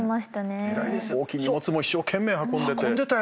大きい荷物も一生懸命運んでて。